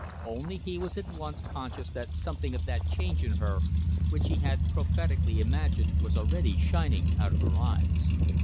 Only he was at once conscious that something of that change in her which he had prophetically imagined was already shining out of her eyes.